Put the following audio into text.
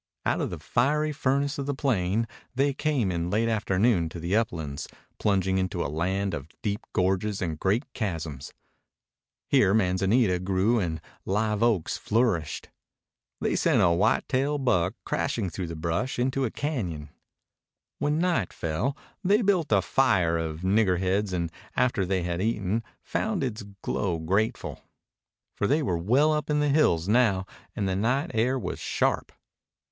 Out of the fiery furnace of the plain they came in late afternoon to the uplands, plunging into a land of deep gorges and great chasms. Here manzanita grew and liveoaks flourished. They sent a whitetail buck crashing through the brush into a cañon. When night fell they built a fire of niggerheads and after they had eaten found its glow grateful. For they were well up in the hills now and the night air was sharp.